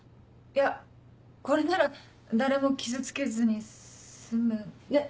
いやこれなら誰も傷つけずに済むのか。